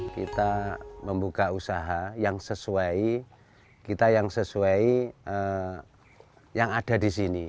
kita membuka usaha yang sesuai kita yang sesuai yang ada di sini